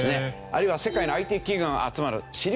あるいは世界のＩＴ企業が集まるシリコンバレー。